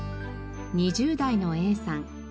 ２０代のＡさん。